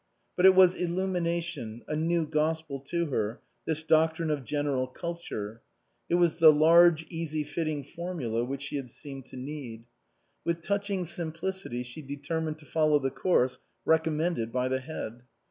But it was illumination, a new gospel to her, this doctrine of General Culture ; it was the large easy fitting formula which she had seemed to need. With touching simplicity she deter mined to follow the course recommended by the Head.